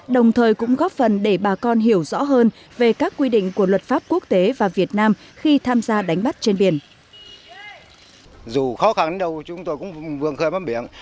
đồng thời cũng góp phần để bà con hiểu rõ hơn về các quy định của luật pháp quốc tế và việt nam khi tham gia đánh bắt trên biển